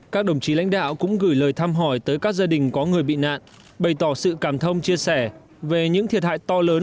các đồng chí lãnh đạo cũng gửi lời thăm hỏi tới các gia đình có người bị nạn bày tỏ sự cảm thông chia sẻ về những thiệt hại to lớn